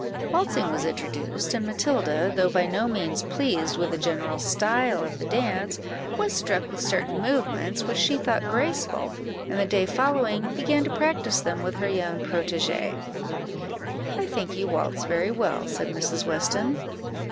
Waltzing was introduced, and Matilda, though by no means pleased with the general style of the dance, was struck with certain movements which she thought graceful, and the day following began to practise them with her young protégée. "I think you waltz very well," said Mrs. Weston.